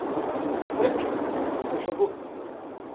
Prep, por favor.